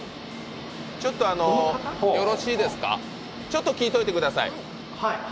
ちょっとよろしいですかちょっと聞いておいてください。